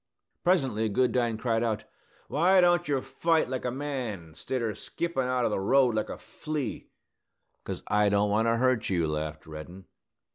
Presently Goodine cried out, "Why don't yer fight, like a man, stidder skippin' out o' the road like a flea?" "'Cause I don't want to hurt you," laughed Reddin.